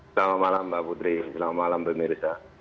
selamat malam mbak putri selamat malam pemirsa